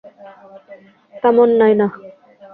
Come on, Naina.